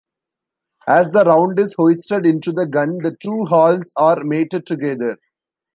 As the round is hoisted into the gun the two halves are mated together.